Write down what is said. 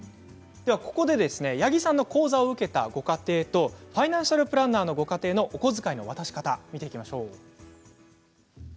ここで八木さんの講座を受けたご家庭とファイナンシャルプランナーのご家庭のお小遣いの渡し方を見ていきましょう。